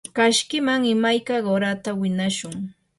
kashkiman imayka qurata winashun.